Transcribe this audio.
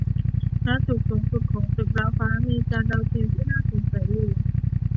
ณ จุดสูงสุดของตึกระฟ้ามีจานดาวเทียมที่น่าสงสัยอยู่